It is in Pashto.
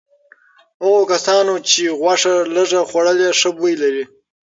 هغو کسانو چې غوښه لږه خوړلي ښه بوی لري.